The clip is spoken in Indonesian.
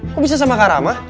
kok bisa sama kak rama